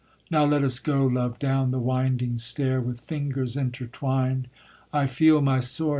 Now let us go, love, down the winding stair, With fingers intertwined: ay, feel my sword!